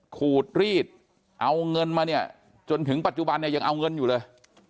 ขูดรีดเอาเงินมาเนี่ยจนถึงปัจจุบันเนี่ยยังเอาเงินอยู่เลย